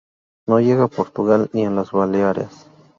No llega a Portugal ni a las Baleares.